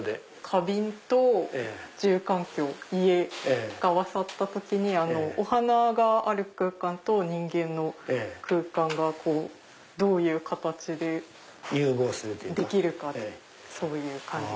花瓶と住環境家が合わさった時にお花がある空間と人間の空間がどういう形でできるかとかそういう感じ。